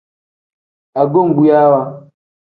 Agubuyaawa.